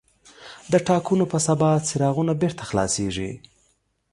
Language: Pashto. د ټاکنو په سبا څراغونه بېرته خلاصېږي.